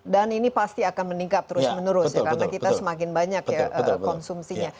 dan ini pasti akan meningkat terus menerus ya karena kita semakin banyak konsumsinya